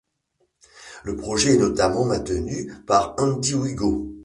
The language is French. Le projet est notamment maintenu par Andy Wingo.